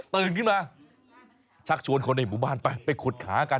ตื่นขึ้นมาชักชวนคนในหมู่บ้านไปไปขุดขากัน